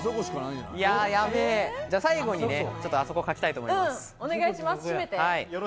最後に、あそこを描きたいと思います。